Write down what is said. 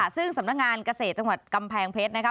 ซึ่งสำนักงานเกษตรจังหวัดกำแพงเพชรนะคะ